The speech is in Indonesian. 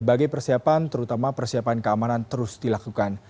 bagai persiapan terutama persiapan keamanan terus dilakukan